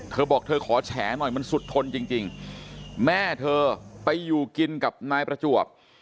เธอบอกเธอขอแฉหน่อยมันสุดทนจริงแม่เธอไปอยู่กินกับนายประจวบ